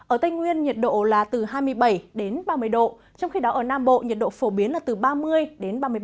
ở tây nguyên nhiệt độ là từ hai mươi bảy đến ba mươi độ trong khi đó ở nam bộ nhiệt độ phổ biến là từ ba mươi đến ba mươi ba độ